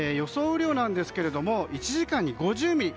雨量なんですが１時間に５０ミリ。